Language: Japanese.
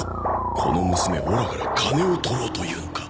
ここの娘オラから金を取ろうというのか！？